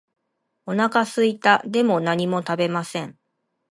お腹すいた。でも何も食べません。